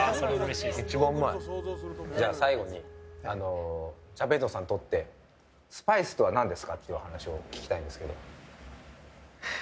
最後に、ジャベイドさんにとってスパイスとは何ですかという話を聞きたいんですけど。